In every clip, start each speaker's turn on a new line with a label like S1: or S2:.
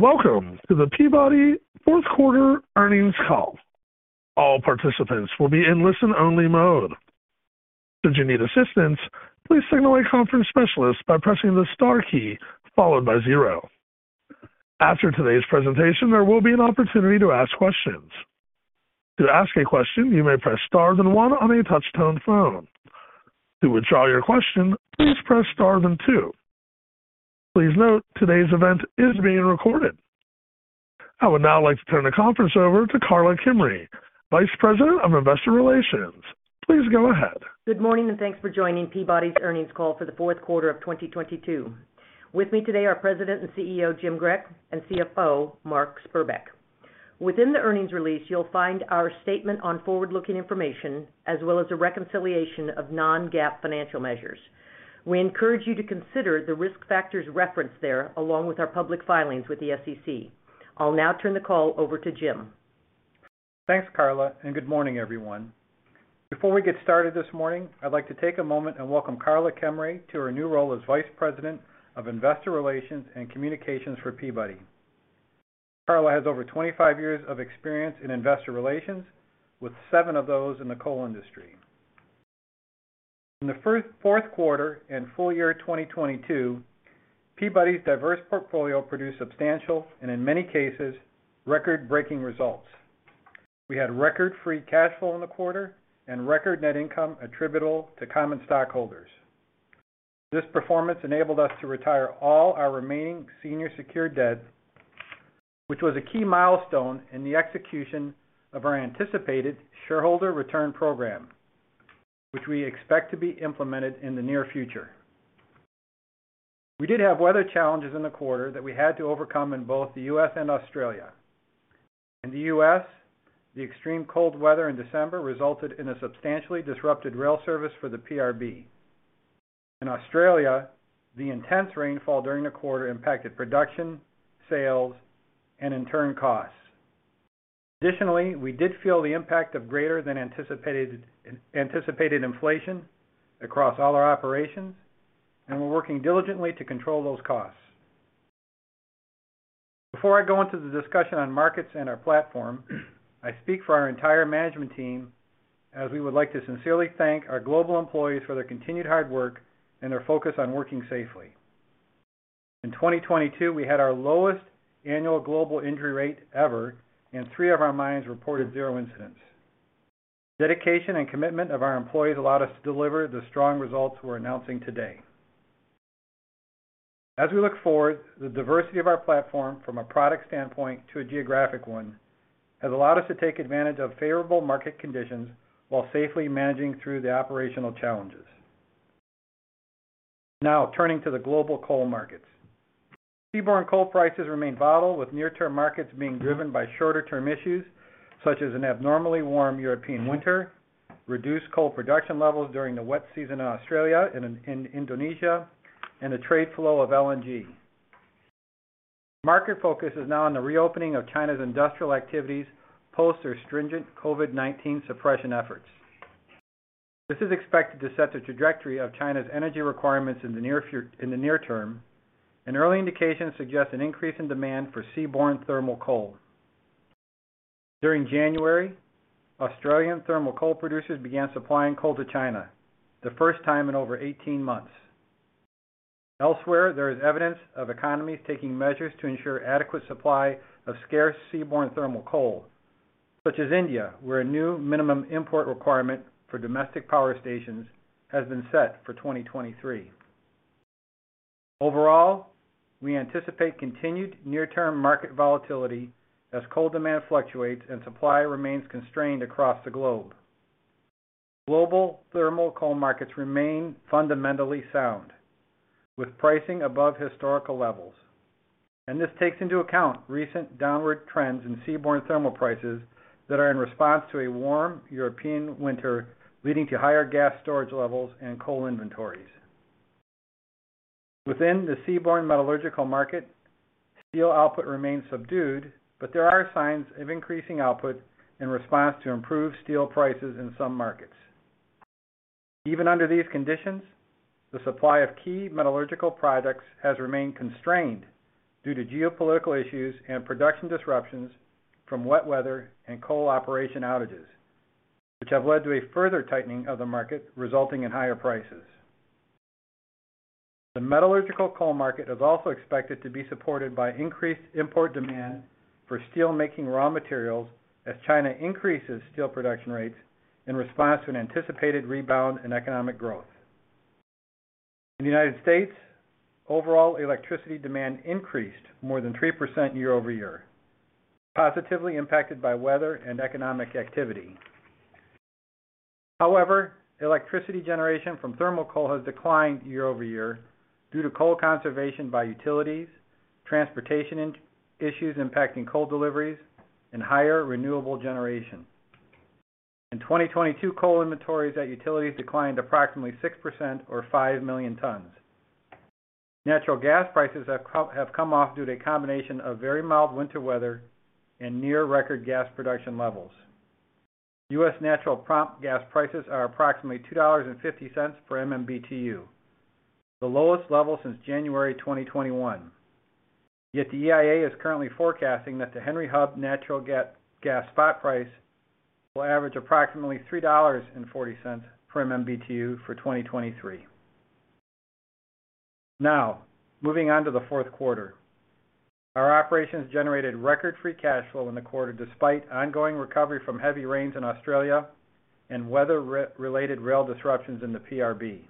S1: Welcome to the Peabody Q4 earnings call. All participants will be in listen-only mode. Should you need assistance, please signal a conference specialist by pressing the star key followed by zero. After today's presentation, there will be an opportunity to ask questions. To ask a question, you may press Star then one on your touch tone phone. To withdraw your question, please press Star then two. Please note, today's event is being recorded. I would now like to turn the conference over to Karla Kimrey, Vice President of Investor Relations. Please go ahead.
S2: Good morning, and thanks for joining Peabody's earnings call for the 4th quarter of 2022. With me today are President and CEO, Jim Grech, and CFO, Mark Spurbeck. Within the earnings release, you'll find our statement on forward-looking information as well as a reconciliation of non-GAAP financial measures. We encourage you to consider the risk factors referenced there along with our public filings with the SEC. I'll now turn the call over to Jim.
S3: Thanks, Karla, good morning, everyone. Before we get started this morning, I'd like to take a moment and welcome Karla Kimrey to her new role as Vice President of Investor Relations and Communications for Peabody. Karla has over 25 years of experience in investor relations, with seven of those in the coal industry. In the Q4 and full year of 2022, Peabody's diverse portfolio produced substantial, and in many cases, record-breaking results. We had record Free Cash Flow in the quarter and record net income attributable to common stockholders. This performance enabled us to retire all our remaining senior secured debt, which was a key milestone in the execution of our anticipated shareholder return program, which we expect to be implemented in the near future. We did have weather challenges in the quarter that we had to overcome in both the U.S. and Australia. In the U.S., the extreme cold weather in December resulted in a substantially disrupted rail service for the PRB. In Australia, the intense rainfall during the quarter impacted production, sales, and in turn, costs. We did feel the impact of greater than anticipated inflation across all our operations, and we're working diligently to control those costs. Before I go into the discussion on markets and our platform, I speak for our entire management team as we would like to sincerely thank our global employees for their continued hard work and their focus on working safely. In 2022, we had our lowest annual global injury rate ever, and three of our mines reported zero incidents. Dedication and commitment of our employees allowed us to deliver the strong results we're announcing today. As we look forward, the diversity of our platform from a product standpoint to a geographic one has allowed us to take advantage of favorable market conditions while safely managing through the operational challenges. Now, turning to the global coal markets. Seaborne coal prices remain volatile, with near-term markets being driven by shorter-term issues, such as an abnormally warm European winter, reduced coal production levels during the wet season in Australia and Indonesia, and the trade flow of LNG. Market focus is now on the reopening of China's industrial activities post their stringent COVID-19 suppression efforts. This is expected to set the trajectory of China's energy requirements in the near term, and early indications suggest an increase in demand for seaborne thermal coal. During January, Australian thermal coal producers began supplying coal to China, the first time in over 18 months. Elsewhere, there is evidence of economies taking measures to ensure adequate supply of scarce seaborne thermal coal, such as India, where a new minimum import requirement for domestic power stations has been set for 2023. Overall, we anticipate continued near-term market volatility as coal demand fluctuates and supply remains constrained across the globe. Global thermal coal markets remain fundamentally sound, with pricing above historical levels. This takes into account recent downward trends in seaborne thermal prices that are in response to a warm European winter, leading to higher gas storage levels and coal inventories. Within the seaborne metallurgical market, steel output remains subdued, but there are signs of increasing output in response to improved steel prices in some markets. Even under these conditions, the supply of key metallurgical products has remained constrained due to geopolitical issues and production disruptions from wet weather and coal operation outages, which have led to a further tightening of the market resulting in higher prices. The metallurgical coal market is also expected to be supported by increased import demand for steelmaking raw materials as China increases steel production rates in response to an anticipated rebound in economic growth. In the United States, overall electricity demand increased more than 3% year-over-year, positively impacted by weather and economic activity. Electricity generation from thermal coal has declined year-over-year due to coal conservation by utilities, transportation issues impacting coal deliveries, and higher renewable generation. In 2022, coal inventories at utilities declined approximately 6% or 5 million tons. Natural gas prices have come off due to a combination of very mild winter weather and near record gas production levels. U.S. natural prompt gas prices are approximately $2.50 per MMBtu the lowest level since January 2021. The EIA is currently forecasting that the Henry Hub natural gas spot price will average approximately $3.40 per MMBtu for 2023. Moving on to the Q4. Our operations generated record Free Cash Flow in the quarter despite ongoing recovery from heavy rains in Australia and weather related rail disruptions in the PRB.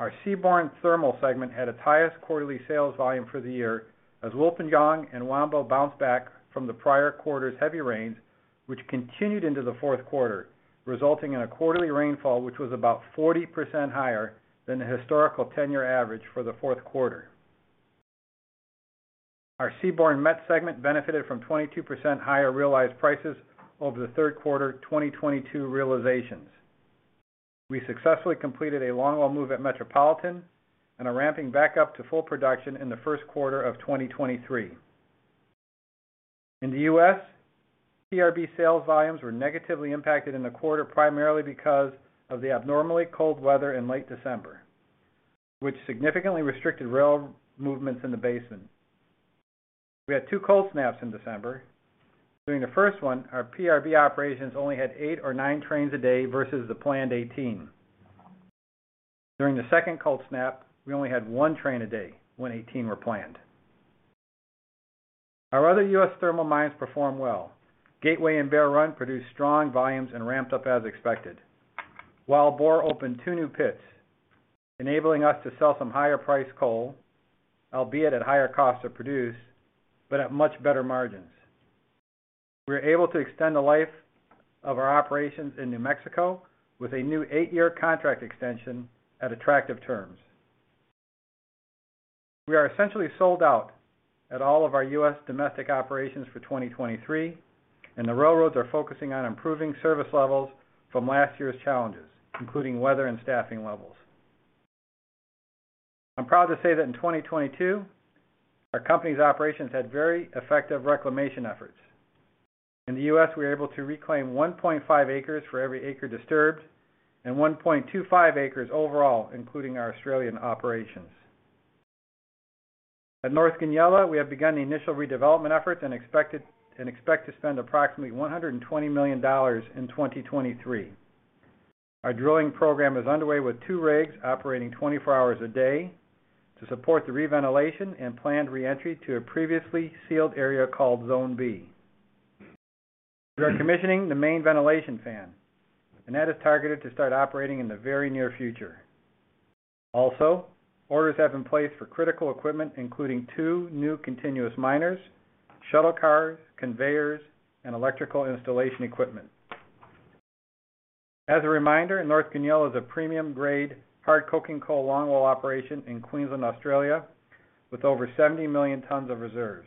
S3: Our seaborne thermal segment had its highest quarterly sales volume for the year as Wilpinjong and Wambo bounced back from the prior quarter's heavy rains, which continued into the Q4, resulting in a quarterly rainfall which was about 40% higher than the historical 10-year average for the Q4. Our seaborne met segment benefited from 22% higher realized prices over the Q3 2022 realizations. We successfully completed a longwall move at Metropolitan and are ramping back up to full production in the Q1 of 2023. In the U.S., PRB sales volumes were negatively impacted in the quarter primarily because of the abnormally cold weather in late December, which significantly restricted rail movements in the basin. We had two cold snaps in December. During the first one, our PRB operations only had 8 or 9 trains a day versus the planned 18. During the second cold snap, we only had 1 train a day when 18 were planned. Our other U.S. thermal mines performed well. Gateway and Bear Run produced strong volumes and ramped up as expected. While Bore opened 2 new pits, enabling us to sell some higher priced coal, albeit at higher cost to produce, but at much better margins. We were able to extend the life of our operations in New Mexico with a new 8-year contract extension at attractive terms. We are essentially sold out at all of our U.S. domestic operations for 2023, and the railroads are focusing on improving service levels from last year's challenges, including weather and staffing levels. I'm proud to say that in 2022, our company's operations had very effective reclamation efforts. In the US, we were able to reclaim 1.5 acres for every acre disturbed and 1.25 acres overall, including our Australian operations. At North Goonyella, we have begun the initial redevelopment efforts and expect to spend approximately $120 million in 2023. Our drilling program is underway with 2 rigs operating 24 hours a day to support the re-ventilation and planned re-entry to a previously sealed area called Zone B. We are commissioning the main ventilation fan, and that is targeted to start operating in the very near future. Orders have been placed for critical equipment, including 2 new continuous miners, shuttle cars, conveyors, and electrical installation equipment. As a reminder, North Goonyella is a premium-grade hard coking coal longwall operation in Queensland, Australia, with over 70 million tons of reserves.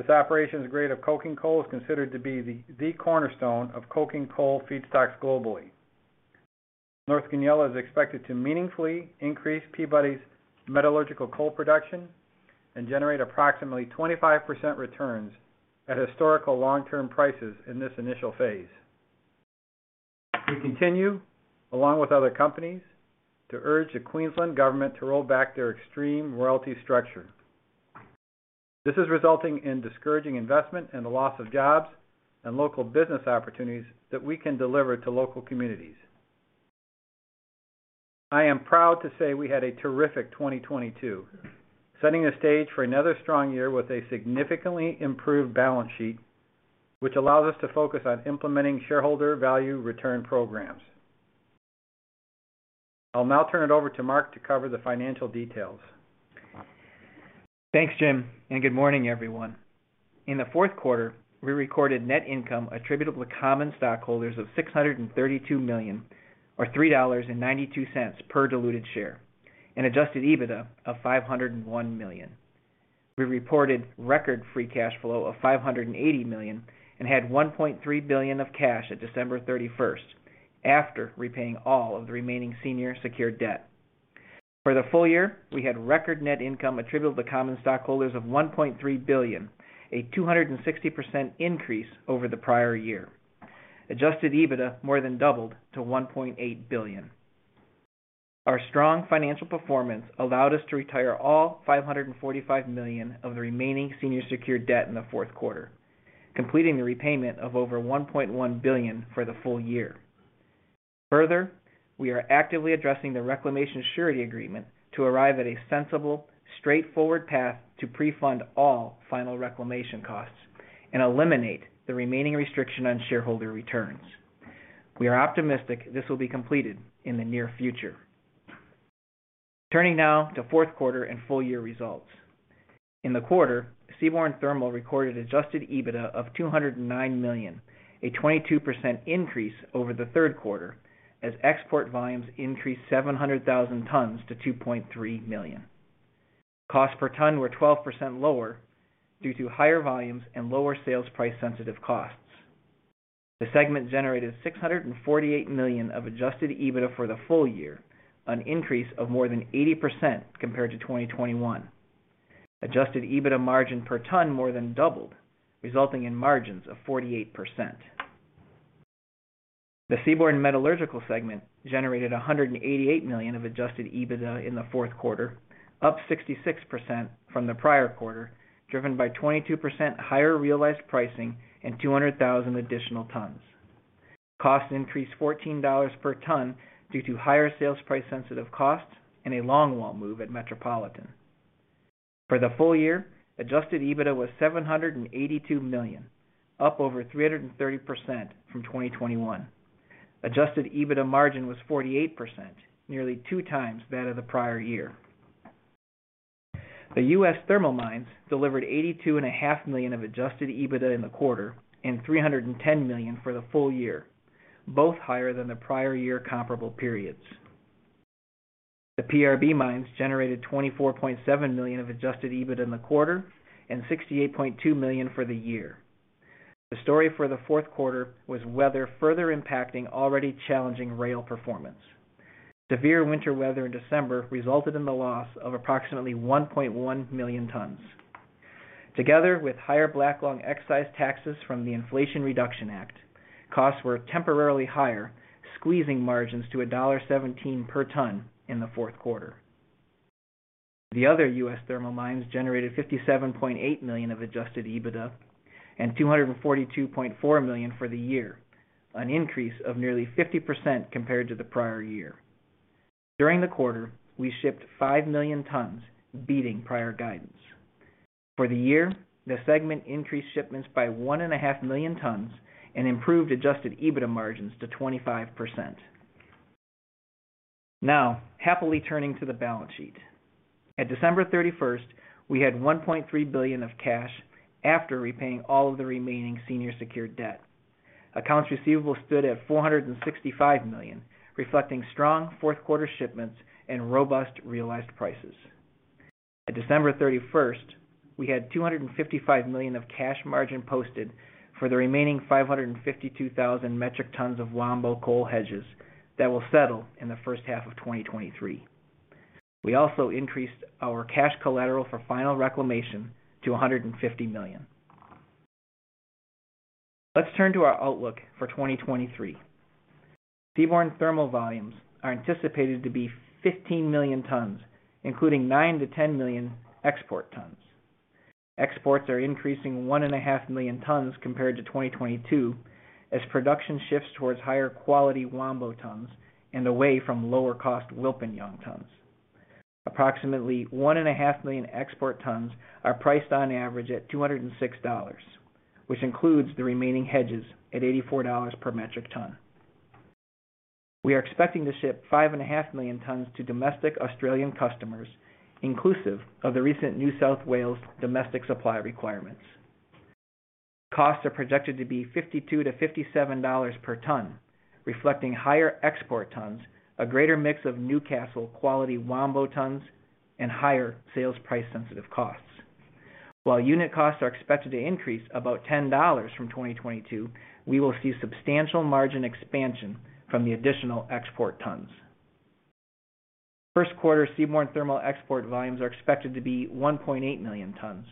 S3: This operation's grade of coking coal is considered to be the cornerstone of coking coal feedstocks globally. North Goonyella is expected to meaningfully increase Peabody's metallurgical coal production and generate approximately 25% returns at historical long-term prices in this initial phase. We continue, along with other companies, to urge the Queensland government to roll back their extreme royalty structure. This is resulting in discouraging investment and the loss of jobs and local business opportunities that we can deliver to local communities. I am proud to say we had a terrific 2022, setting the stage for another strong year with a significantly improved balance sheet, which allows us to focus on implementing shareholder value return programs. I'll now turn it over to Mark to cover the financial details.
S4: Thanks, Jim, good morning, everyone. In the Q4, we recorded net income attributable to common stockholders of $632 million or $3.92 per diluted share and Adjusted EBITDA of $501 million. We reported record Free Cash Flow of $580 million and had $1.3 billion of cash at December 31st after repaying all of the remaining senior secured debt. For the full year, we had record net income attributable to common stockholders of $1.3 billion, a 260% increase over the prior year. Adjusted EBITDA more than doubled to $1.8 billion. Our strong financial performance allowed us to retire all $545 million of the remaining senior secured debt in the Q4, completing the repayment of over $1.1 billion for the full year. We are actively addressing the reclamation surety agreement to arrive at a sensible, straightforward path to pre-fund all final reclamation costs and eliminate the remaining restriction on shareholder returns. We are optimistic this will be completed in the near future. Turning now to Q4 and full year results. In the quarter, seaborne thermal recorded Adjusted EBITDA of $209 million, a 22% increase over the Q3 as export volumes increased 700,000 tons to $2.3 million. Cost per ton were 12% lower due to higher volumes and lower sales price-sensitive costs. The segment generated $648 million of Adjusted EBITDA for the full year, an increase of more than 80% compared to 2021. Adjusted EBITDA margin per ton more than doubled, resulting in margins of 48%. The Seaborne Metallurgical segment generated $188 million of Adjusted EBITDA in the Q4, up 66% from the prior quarter, driven by 22% higher realized pricing and 200,000 additional tons. Costs increased $14 per ton due to higher sales price sensitive costs and a longwall move at Metropolitan. For the full year, Adjusted EBITDA was $782 million, up over 330% from 2021. Adjusted EBITDA margin was 48%, nearly two times that of the prior year. The U.S. Thermal Mines delivered eighty-two and a half million of Adjusted EBITDA in the quarter and $310 million for the full year, both higher than the prior year comparable periods. The PRB mines generated $24.7 million of Adjusted EBITDA in the quarter and $68.2 million for the year. The story for the Q4 was weather further impacting already challenging rail performance. Severe winter weather in December resulted in the loss of approximately 1.1 million tons. Together with higher black lung excise taxes from the Inflation Reduction Act, costs were temporarily higher, squeezing margins to $1.17 per ton in the Q4. The other US thermal mines generated $57.8 million of Adjusted EBITDA and $242.4 million for the year, an increase of nearly 50% compared to the prior year. During the quarter, we shipped 5 million tons, beating prior guidance. For the year, the segment increased shipments by 1.5 million tons and improved Adjusted EBITDA margins to 25%. Now happily turning to the balance sheet. At December 31st, we had $1.3 billion of cash after repaying all of the remaining senior secured debt. Accounts receivable stood at $465 million, reflecting strong Q4 shipments and robust realized prices. At December 31st, we had $255 million of cash margin posted for the remaining 552,000 metric tons of Wambo coal hedges that will settle in the H1 of 2023. We also increased our cash collateral for final reclamation to $150 million. Let's turn to our outlook for 2023. seaborne thermal volumes are anticipated to be 15 million tons, including 9 million-10 million export tons. Exports are increasing 1.5 million tons compared to 2022 as production shifts towards higher quality Wambo tons and away from lower cost Wilpinjong tons. Approximately 1.5 million export tons are priced on average at 206 dollars, which includes the remaining hedges at 84 dollars per metric ton. We are expecting to ship 5.5 million tons to domestic Australian customers, inclusive of the recent New South Wales domestic supply requirements. Costs are projected to be 52-57 dollars per ton, reflecting higher export tons, a greater mix of Newcastle quality Wambo tons, and higher sales price sensitive costs. While unit costs are expected to increase about 10 dollars from 2022, we will see substantial margin expansion from the additional export tons. Q1 seaborne thermal export volumes are expected to be 1.8 million tons,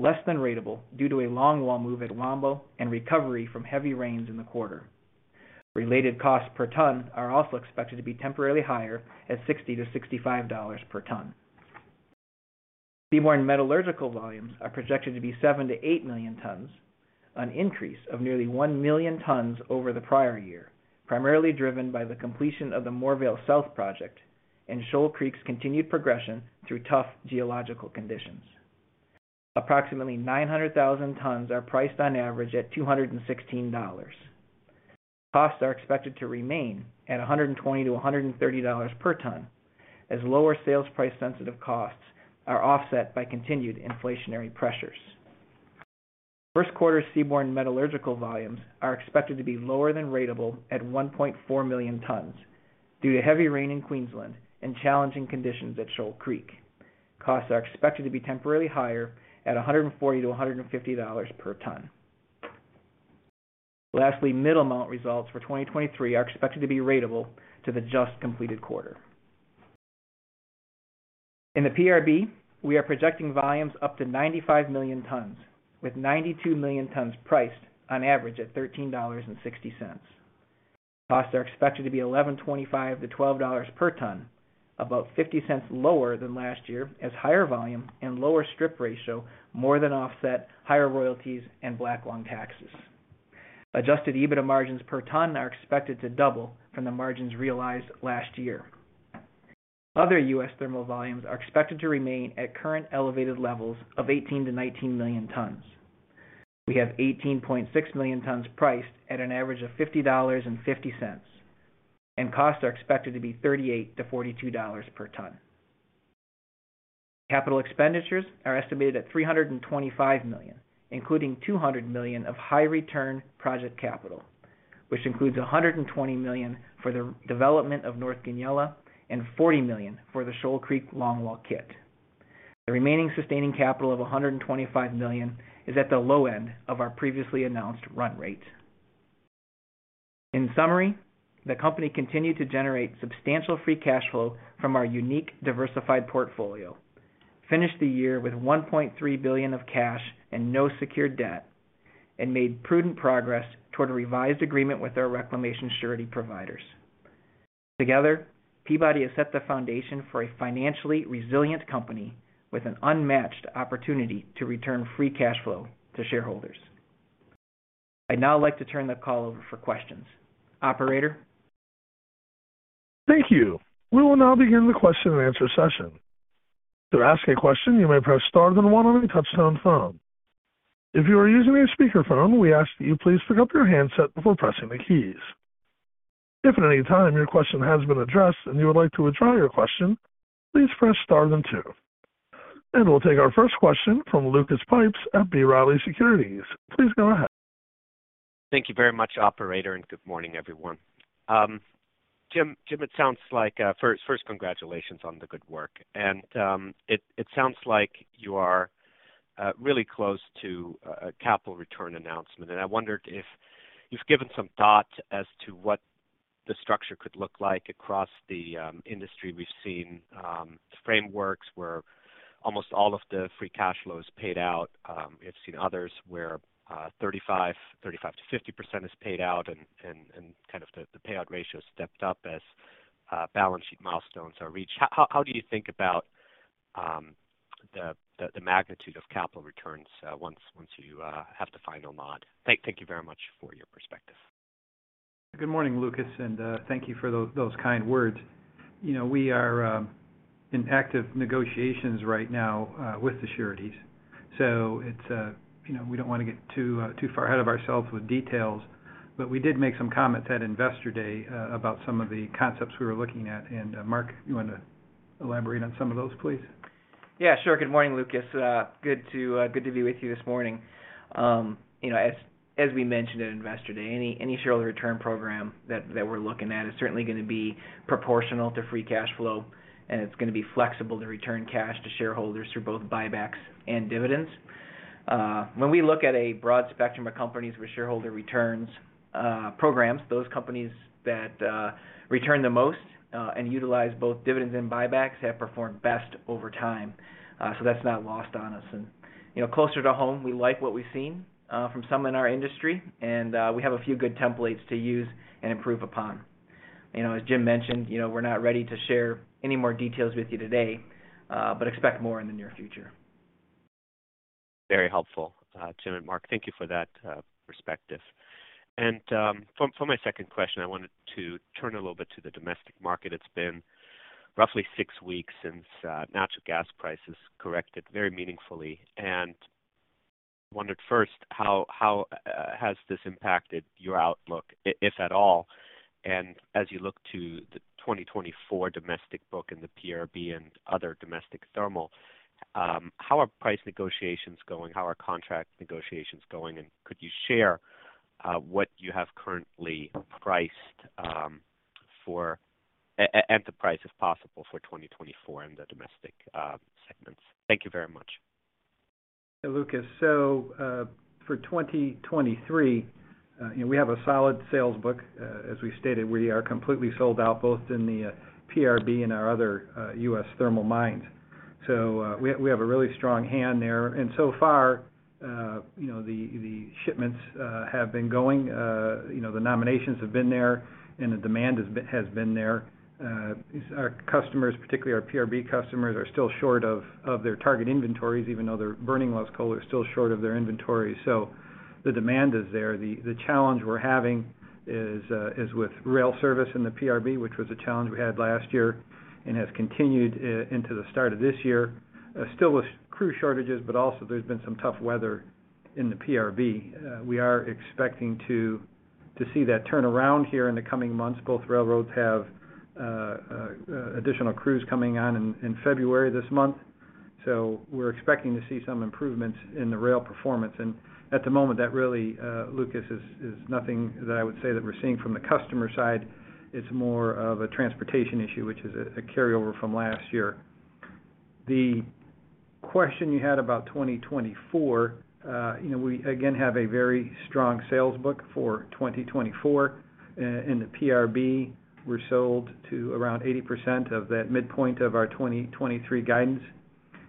S4: less than ratable due to a longwall move at Wambo and recovery from heavy rains in the quarter. Related costs per ton are also expected to be temporarily higher at $60-$65 per ton. seaborne metallurgical volumes are projected to be 7 million-8 million tons, an increase of nearly 1 million tons over the prior year, primarily driven by the completion of the Moorvale South project and Shoal Creek's continued progression through tough geological conditions. Approximately 900,000 tons are priced on average at 216 dollars. Costs are expected to remain at 120-130 dollars per ton as lower sales price sensitive costs are offset by continued inflationary pressures. Q1 seaborne metallurgical volumes are expected to be lower than ratable at 1.4 million tons due to heavy rain in Queensland and challenging conditions at Shoal Creek. Costs are expected to be temporarily higher at $140-$150 per ton. Middlemount results for 2023 are expected to be ratable to the just completed quarter. In the PRB, we are projecting volumes up to 95 million tons, with 92 million tons priced on average at $13.60. Costs are expected to be $11.25-$12 per ton, about $0.50 lower than last year as higher volume and lower strip ratio more than offset higher royalties and black lung taxes. Adjusted EBITDA margins per ton are expected to double from the margins realized last year. Other US thermal volumes are expected to remain at current elevated levels of 18 million tons-19 million tons. We have 18.6 million tons priced at an average of $50.50. Costs are expected to be $38-$42 per ton. Capital expenditures are estimated at $325 million, including $200 million of high return project capital, which includes $120 million for the development of North Goonyella and $40 million for the Shoal Creek longwall kit. The remaining sustaining capital of $125 million is at the low end of our previously announced run rate. In summary, the company continued to generate substantial Free Cash Flow from our unique diversified portfolio, finished the year with $1.3 billion of cash and no secured debt, and made prudent progress toward a revised agreement with our reclamation surety providers. Together, Peabody has set the foundation for a financially resilient company with an unmatched opportunity to return Free Cash Flow to shareholders. I'd now like to turn the call over for questions. Operator?
S1: Thank you. We will now begin the question and answer session. To ask a question, you may press star then one on your touch-tone phone. If you are using a speakerphone, we ask that you please pick up your handset before pressing the keys. If at any time your question has been addressed and you would like to withdraw your question, please press star then two. We'll take our first question from Lucas Pipes at B. Riley Securities. Please go ahead.
S5: Thank you very much, operator. Good morning, everyone. Jim, First, congratulations on the good work. It sounds like you are really close to a capital return announcement. I wondered if you've given some thought as to what the structure could look like. Across the industry, we've seen frameworks where almost all of the Free Cash Flow is paid out. We've seen others where 35-50% is paid out and kind of the payout ratio is stepped up as balance sheet milestones are reached. How do you think about the magnitude of capital returns once you have the final nod? Thank you very much for your perspective.
S3: Good morning, Lucas, and thank you for those kind words. You know, we are in active negotiations right now with the sureties. It's, you know, we don't wanna get too far ahead of ourselves with details, but we did make some comments at Investor Day about some of the concepts we were looking at. Mark, you wanna elaborate on some of those, please?
S4: Yeah, sure. Good morning, Lucas. Good to be with you this morning. You know, as we mentioned at Investor Day, any shareholder return program that we're looking at is certainly gonna be proportional to Free Cash Flow, and it's gonna be flexible to return cash to shareholders through both buybacks and dividends. When we look at a broad spectrum of companies with shareholder returns, programs, those companies that, return the most, and utilize both dividends and buybacks have performed best over time. So that's not lost on us. You know, closer to home, we like what we've seen, from some in our industry and, we have a few good templates to use and improve upon. You know, as Jim mentioned, you know, we're not ready to share any more details with you today. Expect more in the near future.
S5: Very helpful, Jim and Mark. Thank you for that perspective. For my second question, I wanted to turn a little bit to the domestic market. It's been roughly six weeks since natural gas prices corrected very meaningfully. Wondered first, how has this impacted your outlook, if at all? As you look to the 2024 domestic book and the PRB and other domestic thermal, how are price negotiations going? How are contract negotiations going? Could you share what you have currently priced at the price, if possible, for 2024 in the domestic segments? Thank you very much.
S3: Lucas. For 2023, you know, we have a solid sales book. As we stated, we are completely sold out both in the PRB and our other U.S. thermal mines. We have a really strong hand there. So far, you know, the shipments have been going, you know, the nominations have been there and the demand has been there. Our customers, particularly our PRB customers, are still short of their target inventories, even though they're burning less coal. They're still short of their inventory. The demand is there. The challenge we're having is with rail service in the PRB, which was a challenge we had last year and has continued into the start of this year. Still with crew shortages, also there's been some tough weather in the PRB. We are expecting to see that turn around here in the coming months. Both railroads have additional crews coming on in February this month, we're expecting to see some improvements in the rail performance. At the moment, that really Lucas is nothing that I would say that we're seeing from the customer side. It's more of a transportation issue, which is a carryover from last year. The question you had about 2024, you know, we again have a very strong sales book for 2024. In the PRB, we're sold to around 80% of that midpoint of our 2023 guidance.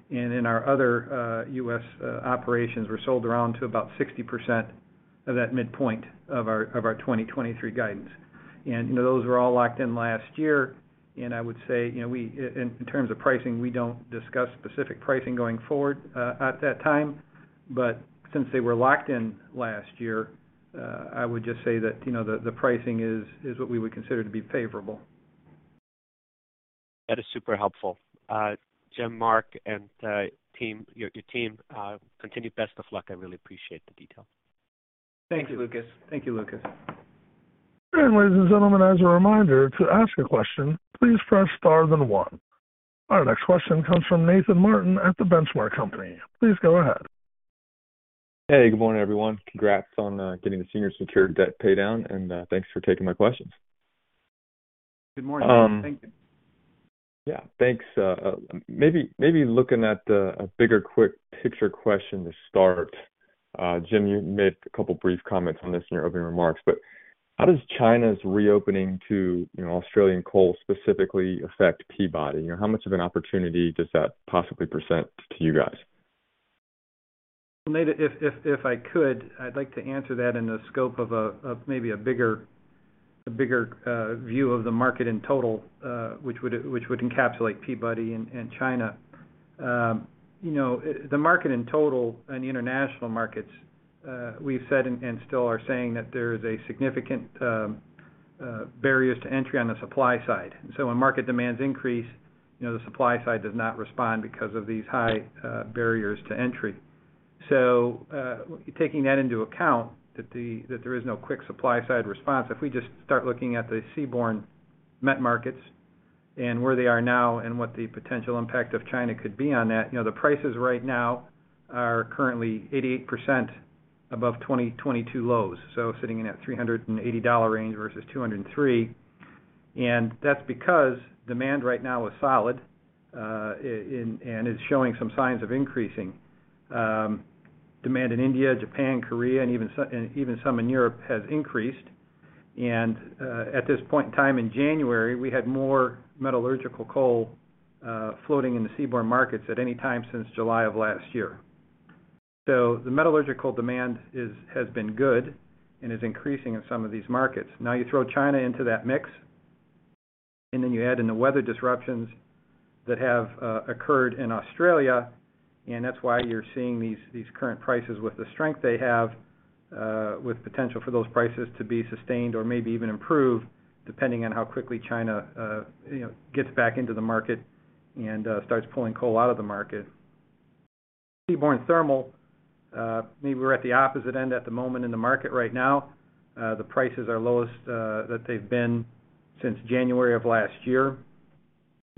S3: In our other, U.S. operations, we're sold around to about 60% of that midpoint of our 2023 guidance. You know, those were all locked in last year. I would say, you know, in terms of pricing, we don't discuss specific pricing going forward, at that time. Since they were locked in last year, I would just say that, you know, the pricing is what we would consider to be favorable.
S5: That is super helpful. Jim, Mark, and team, your team, continued best of luck. I really appreciate the details.
S3: Thanks, Lucas.
S4: Thank you, Lucas.
S1: Ladies and gentlemen, as a reminder, to ask a question, please press star then one. Our next question comes from Nathan Martin at The Benchmark Company. Please go ahead.
S6: Hey, good morning, everyone. Congrats on getting the senior secured debt paid down, and thanks for taking my questions.
S3: Good morning. Thank you.
S6: Yeah, thanks. Maybe looking at a bigger quick picture question to start. Jim Grech, you made a couple brief comments on this in your opening remarks, but how does China's reopening to, you know, Australian coal specifically affect Peabody? You know, how much of an opportunity does that possibly present to you guys?
S3: Nate, if I could, I'd like to answer that in the scope of maybe a bigger view of the market in total, which would encapsulate Peabody and China. you know, the market in total and the international markets, we've said and still are saying that there is a significant barriers to entry on the supply side. When market demands increase, you know, the supply side does not respond because of these high barriers to entry. Taking that into account, that there is no quick supply-side response, if we just start looking at the seaborne met markets and where they are now and what the potential impact of China could be on that, you know, the prices right now are currently 88% above 2022 lows, so sitting in that $380 range versus $203. That's because demand right now is solid and is showing some signs of increasing. Demand in India, Japan, Korea, and even some in Europe has increased. At this point in time in January, we had more metallurgical coal floating in the seaborne markets at any time since July of last year. The metallurgical demand has been good and is increasing in some of these markets. You throw China into that mix, and then you add in the weather disruptions that have occurred in Australia, and that's why you're seeing these current prices with the strength they have, with potential for those prices to be sustained or maybe even improve, depending on how quickly China, you know, gets back into the market and starts pulling coal out of the market. Seaborne thermal, maybe we're at the opposite end at the moment in the market right now. The prices are lowest that they've been since January of last year,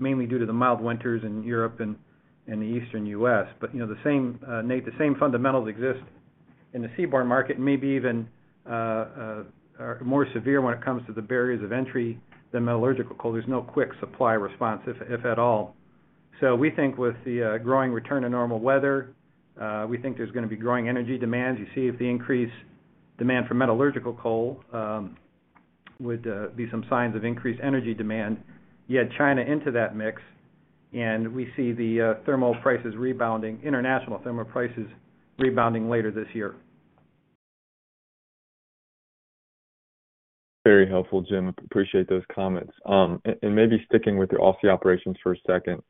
S3: mainly due to the mild winters in Europe and the Eastern US. You know, the same, Nate, the same fundamentals exist in the seaborne market, maybe even more severe when it comes to the barriers of entry than metallurgical coal. There's no quick supply response, if at all. We think with the growing return to normal weather, we think there's gonna be growing energy demands. You see the increased demand for metallurgical coal, with some signs of increased energy demand. You add China into that mix, and we see the thermal prices rebounding, international thermal prices rebounding later this year.
S6: Very helpful, Jim. Appreciate those comments. Maybe sticking with your Aussie operations for a second.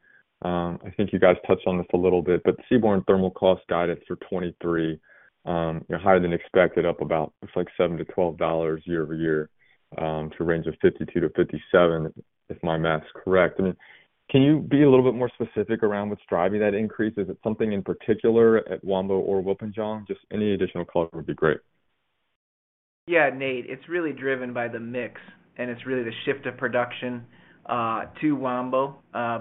S6: I think you guys touched on this a little bit, but the seaborne thermal cost guidance for 2023, you know, higher than expected, up about, it's like $7-$12 year-over-year, to a range of $52-$57, if my math's correct. I mean, can you be a little bit more specific around what's driving that increase? Is it something in particular at Wambo or Wilpinjong? Just any additional color would be great.
S7: Nate, it's really driven by the mix, and it's really the shift of production to Wambo,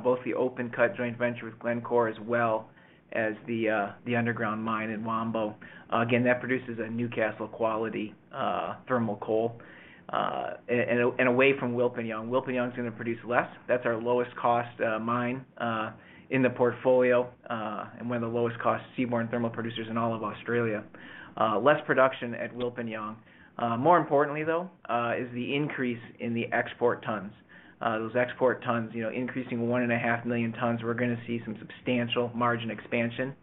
S7: both the open cut joint venture with Glencore as well as the underground mine in Wambo. Again, that produces a Newcastle quality thermal coal, and away from Wilpinjong. Wilpinjong is gonna produce less. That's our lowest cost mine in the portfolio, and one of the lowest cost seaborne thermal producers in all of Australia. Less production at Wilpinjong. More importantly, though, is the increase in the export tons. Those export tons, you know, increasing 1.5 million tons. We're gonna see some substantial margin expansion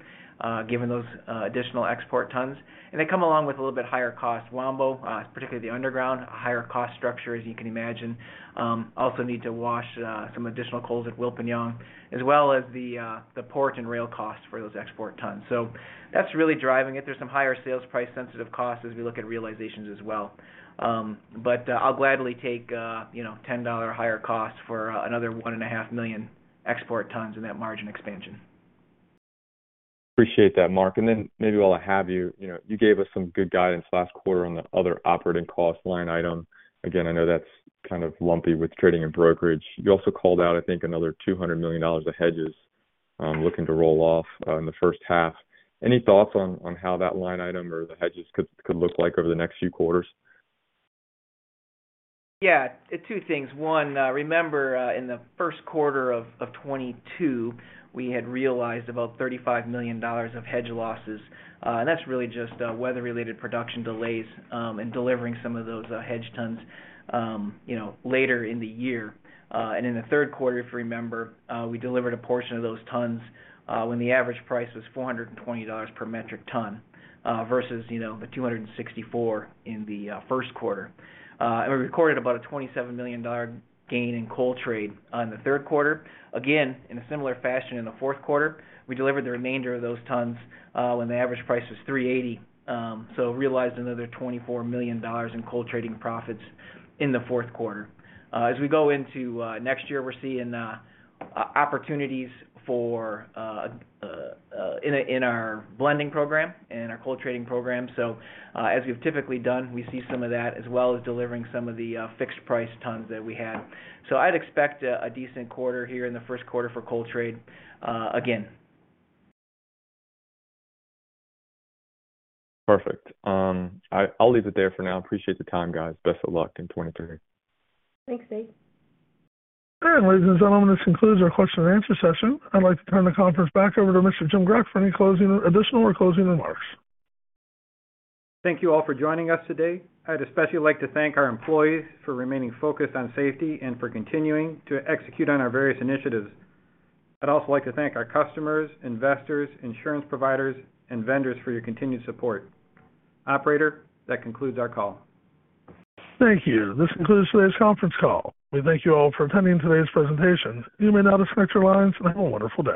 S7: given those additional export tons. They come along with a little bit higher cost. Wambo, particularly the underground, a higher cost structure, as you can imagine.
S3: Also need to wash some additional coals at Wilpinjong, as well as the port and rail costs for those export tons. That's really driving it. There's some higher sales price sensitive costs as we look at realizations as well. I'll gladly take, you know, $10 higher cost for another 1.5 million export tons in that margin expansion.
S6: Appreciate that, Mark. Then maybe while I have you know, you gave us some good guidance last quarter on the other operating cost line item. Again, I know that's kind of lumpy with trading and brokerage. You also called out, I think, another $200 million of hedges, looking to roll off in the H1. Any thoughts on how that line item or the hedges could look like over the next few quarters?
S7: Yeah. Two things. One, remember, in the Q1 of 2022, we had realized about $35 million of hedge losses. That's really just weather-related production delays, and delivering some of those hedge tons, you know, later in the year. In the Q3, if you remember, we delivered a portion of those tons, when the average price was $420 per metric ton, versus, you know, the $264 in the Q1. We recorded about a $27 million gain in coal trade on the Q3. Again, in a similar fashion in the Q4, we delivered the remainder of those tons, when the average price was $380, realized another $24 million in coal trading profits in the Q4.
S3: Uh, as we go into, uh, next year, we're seeing, uh, o-opportunities for, uh, uh, uh, in a-- in our blending program and in our coal trading program. So, uh, as we've typically done, we see some of that as well as delivering some of the, uh, fixed price tons that we have. So I'd expect a, a decent quarter here in the Q1 for coal trade, uh, again.
S6: Perfect. I'll leave it there for now. Appreciate the time, guys. Best of luck in 23.
S3: Thanks, Nate.
S1: Ladies and gentlemen, this concludes our question and answer session. I'd like to turn the conference back over to Mr. Jim Grech for any additional or closing remarks.
S3: Thank you all for joining us today. I'd especially like to thank our employees for remaining focused on safety and for continuing to execute on our various initiatives. I'd also like to thank our customers, investors, insurance providers, and vendors for your continued support. Operator, that concludes our call.
S1: Thank you. This concludes today's conference call. We thank you all for attending today's presentation. You may now disconnect your lines and have a wonderful day.